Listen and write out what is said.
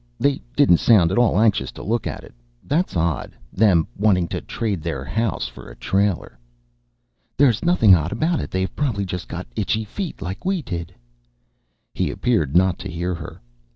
They didn't sound at all anxious to look at it. That's odd them wanting to trade their house for a trailer." "There's nothing odd about it. They've probably just got itchy feet like we did." He appeared not to hear her.